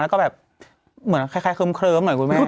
เหมือนใครเคิร์มเคิร์มกันหน่อยกูไม่รู้